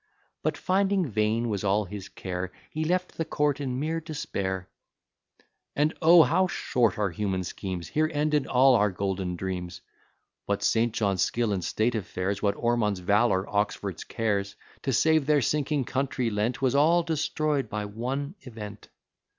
But finding vain was all his care, He left the court in mere despair. "And, oh! how short are human schemes! Here ended all our golden dreams. What St. John's skill in state affairs, What Ormond's valour, Oxford's cares, To save their sinking country lent, Was all destroy'd by one event.